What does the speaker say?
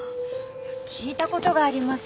聞いた事があります。